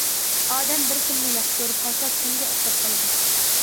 ئادەم بىر كىمنى ياخشى كۆرۈپ قالسا، چەمگە ئوخشاپ قالىدۇ.